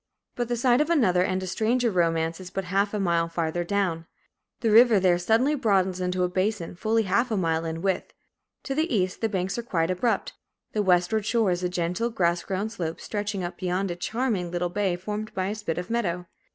But the site of another and a stranger romance is but half a mile farther down. The river there suddenly broadens into a basin, fully half a mile in width. To the east, the banks are quite abrupt. The westward shore is a gentle, grass grown slope, stretching up beyond a charming little bay formed by a spit of meadow.